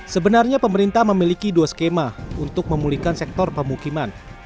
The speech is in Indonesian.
sebenarnya pemerintah memiliki dua skema untuk memulihkan sektor pemukiman